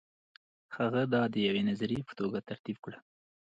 هغه دا د یوې نظریې په توګه ترتیب کړه.